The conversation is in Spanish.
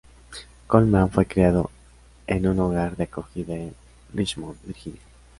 Coleman fue criado en un hogar de acogida en Richmond, Virginia.